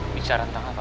bicara tentang apa